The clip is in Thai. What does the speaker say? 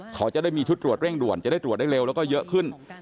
เขาจะได้มีชุดตรวจเร่งด่วนจะได้ตรวจได้เร็วแล้วก็เยอะขึ้น